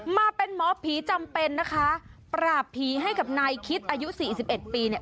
มาเป็นหมอผีจำเป็นนะคะปราบผีให้กับนายคิดอายุสี่สิบเอ็ดปีเนี่ย